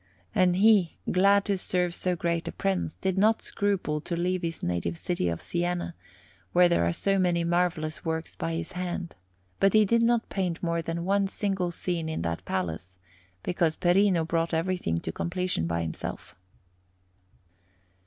And he, glad to serve so great a Prince, did not scruple to leave his native city of Siena, where there are so many marvellous works by his hand; but he did not paint more than one single scene in that palace, because Perino brought everything to completion by himself.